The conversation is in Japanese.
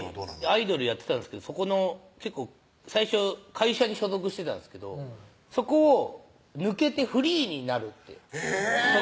アイドルやってたんですけどそこの最初会社に所属してたんですけどそこを抜けてフリーになるってえぇ！